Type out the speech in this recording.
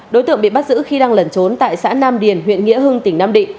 đối tượng bị bắt giữ khi đang lẩn trốn tại xã nam điền huyện nghĩa hưng tỉnh nam định